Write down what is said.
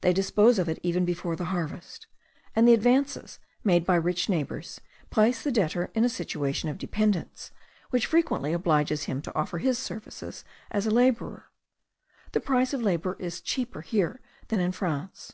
They dispose of it even before the harvest: and the advances, made by rich neighbours, place the debtor in a situation of dependence, which frequently obliges him to offer his services as a labourer. The price of labour is cheaper here than in France.